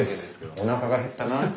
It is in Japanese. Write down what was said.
おなかが減ったなあって。